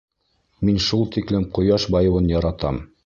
Мин шул тиклем ҡояш байыуын яратам.